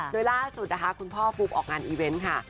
โดยล่าสุดนะคะคุณพ่อปุ๊บออกงานอีเวนต์ค่ะ